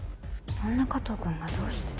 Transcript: そんな加藤君がどうして？